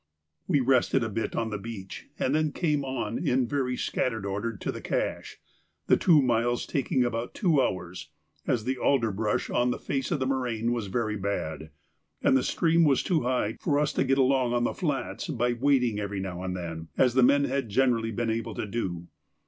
We rested a bit on the beach, and then came on in very scattered order to the cache, the two miles taking about two hours, as the alder bush on the face of the moraine was very bad, and the stream was too high for us to get along on the flats by wading every now and then, as the men had generally been able to do.